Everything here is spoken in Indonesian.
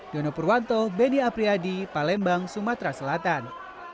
dono purwanto beni apriyadi palembang sumatera selatan